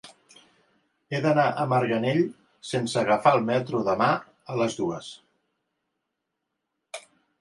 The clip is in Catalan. He d'anar a Marganell sense agafar el metro demà a les dues.